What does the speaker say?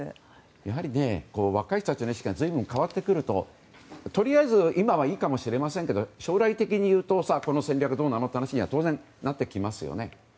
やはり若い人たちの意識が随分変わってくるととりあえず今はいいかもしれませんが将来的に言うとこの戦略はどうなのという話にはなってきますよね。